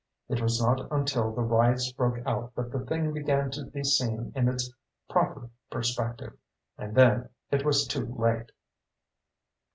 It was not until the riots broke out that the thing began to be seen in its proper perspective. And then it was too late.